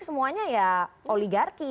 semuanya ya oligarki